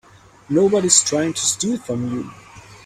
Nobody's trying to steal from you.